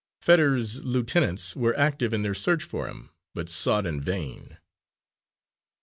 Fetters's lieutenants were active in their search for him, but sought in vain.